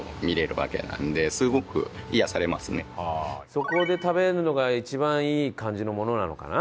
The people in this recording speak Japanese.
そこで食べるのが一番いい感じのものなのかな？